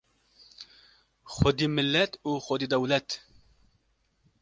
Xwedî millet û xwedî dewlet